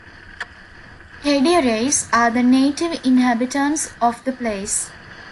Tedurays are the native inhabitants of the place.